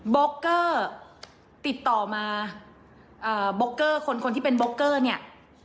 โกเกอร์ติดต่อมาโบกเกอร์คนคนที่เป็นโบกเกอร์เนี่ย